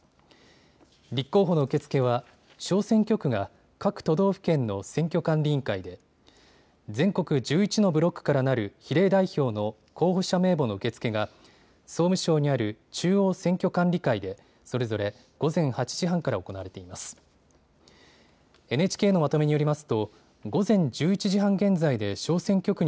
立候補の受け付けは小選挙区が各都道府県の選挙管理委員会で、全国１１のブロックからなる比例代表の候補者名簿の受け付けが総務省にある中央選挙管理会でそれぞれ午前８時半から行われています。